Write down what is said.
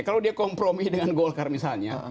kalau dia kompromi dengan golkar misalnya